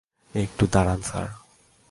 একটু দাঁড়ান, স্যার!